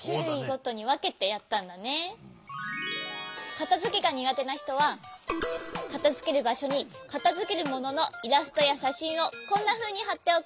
かたづけがにがてなひとはかたづけるばしょにかたづけるもののイラストやしゃしんをこんなふうにはっておくとわかりやすいよ。